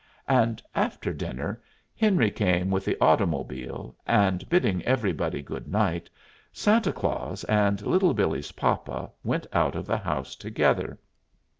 And after dinner Henry came with the automobile, and, bidding everybody good night, Santa Claus and Little Billee's papa went out of the house together.